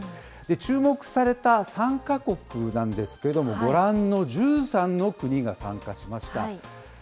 注目された参加国なんですけれども、ご覧の１３の国が参加しました。